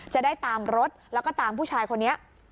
จะได้ตามรถแล้วก็ตามผู้ชายคนนี้